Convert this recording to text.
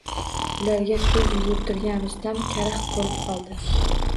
Ularga ko`z yugurtirgan Rustam karaxt bo`lib qoldi